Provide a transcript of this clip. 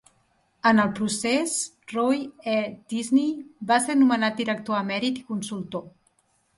En el procés, Roy E. Disney va ser nomenat director emèrit i consultor.